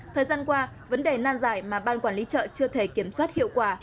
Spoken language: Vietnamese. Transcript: thời gian qua vấn đề nan giải mà ban quản lý chợ chưa thể kiểm soát hiệu quả